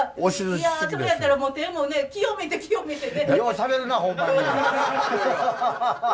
いやそれやったらもう手もね清めて清めてね！